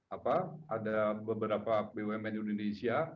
apa ada beberapa bumn indonesia